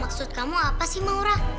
maksud kamu apa sih maura